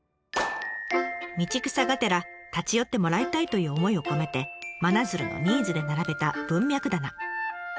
道草がてら立ち寄ってもらいたいという思いを込めて真鶴のニーズで並べた文脈棚。